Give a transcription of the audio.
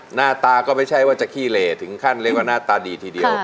หน้าตาก็ไม่ใช่ว่าจะขี้เหล่ถึงขั้นเรียกว่าหน้าตาดีทีเดียว